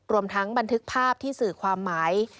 รวมทั้งบันทึกภาพที่สื่อความหมาย